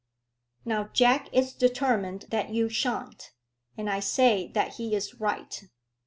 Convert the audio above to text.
Now, Jack is determined that you shan't, and I say that he is right.